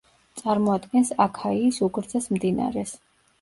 წარმოადგენს აქაიის უგრძეს მდინარეს.